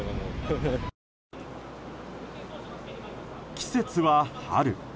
季節は春。